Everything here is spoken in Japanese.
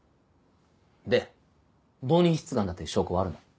で冒認出願だという証拠はあるの？